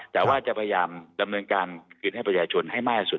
แต่ว่าจะพยายามดำเนินการคืนให้ประชาชนให้มากที่สุด